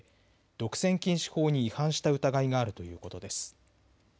独占禁止法に違反した疑いがあるということです。